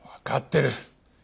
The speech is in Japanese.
わかってる。